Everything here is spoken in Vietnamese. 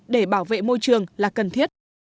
để bảo vệ môi trường là cần thiết